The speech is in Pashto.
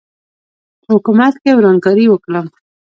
په حکومت کې ورانکاري وکړم.